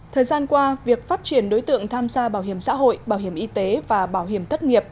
thời gian qua việc phát triển đối tượng tham gia bảo hiểm xã hội bảo hiểm y tế và bảo hiểm thất nghiệp